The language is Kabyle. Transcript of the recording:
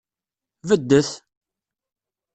Beddet!